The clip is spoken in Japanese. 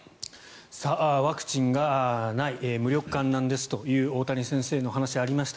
ワクチンがない無力感なんですという大谷先生のお話がありました。